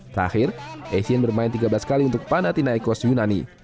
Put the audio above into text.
terakhir essien bermain tiga belas kali untuk panathinaikos yunani